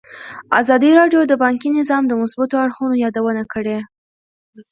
ازادي راډیو د بانکي نظام د مثبتو اړخونو یادونه کړې.